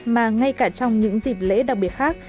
mà ngay cả trong những dịp lễ đặc biệt khác